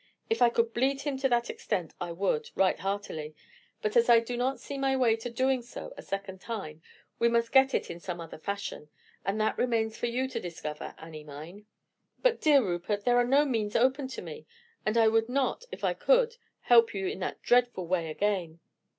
If I could bleed him to that extent I would, right heartily; but as I do not see my way to doing so a second time, we must get it in some other fashion; and that remains for you to discover, Annie mine." "But, dear Rupert, there are no means open to me; and I would not, if I could, help you in that dreadful way again."